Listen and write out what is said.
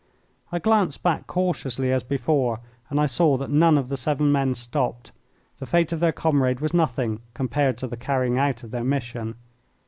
I glanced back cautiously as before, and I saw that none of the seven men stopped. The fate of their comrade was nothing compared to the carrying out of their mission.